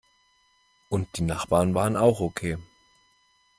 Und die Nachbarn waren auch okay.